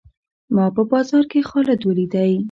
ما په بازار کښي خالد وليدئ.